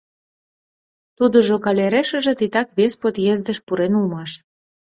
Тудыжо, калерешыже, титак вес подъездыш пурен улмаш.